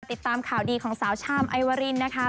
ติดตามข่าวดีของสาวชามไอวารินนะคะ